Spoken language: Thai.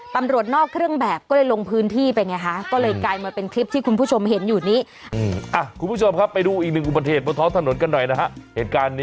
ตำรวจนอกเครื่องแบบก็เลยลงพื้นที่ไปไงฮะ